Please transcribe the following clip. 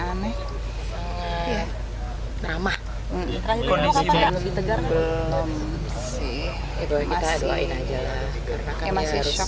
masih masih shock ya